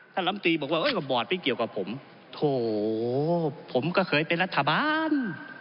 ลำตีบอกว่าบอร์ดไม่เกี่ยวกับผมโถผมก็เคยเป็นรัฐบาล